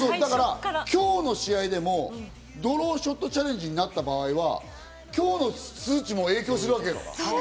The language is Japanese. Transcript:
今日の試合でもドローショットチャレンジになった場合は、今日の数値も影響するわけよ。